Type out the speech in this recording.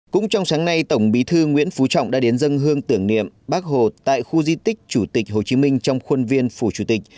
cũng trong sáng nay tổng bí thư nguyễn phú trọng đã đến dân hương tưởng niệm bắc hồ tại khu di tích chủ tịch hồ chí minh trong khuôn viên phủ chủ tịch